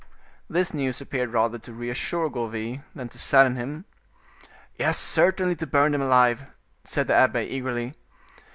This news appeared rather to reassure Gourville than to sadden him. "Yes, certainly to burn them alive," said the abbe, eagerly.